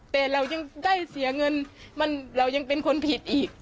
แต่เรายังได้เสียเงินเรายังเป็นคนผิดอีก